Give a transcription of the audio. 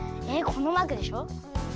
えっこのマークでしょ？